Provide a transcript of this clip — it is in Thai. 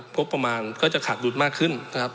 งบประมาณก็จะขาดดุลมากขึ้นนะครับ